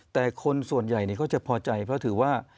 แต่คนส่วนใหญ่เนี่ยเขาจะพอใจเพราะถือว่า